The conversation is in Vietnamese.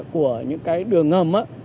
của những cái đường ngầm